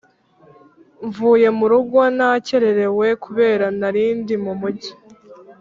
Mvuye murugo nakererewe kubera narindi mumujyi